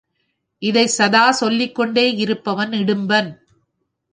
இதைச் சதா சொல்லிக் கொண்டே இருப்பவன் இடும்பன்.